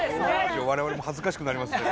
我々も恥ずかしくなりますけどもね。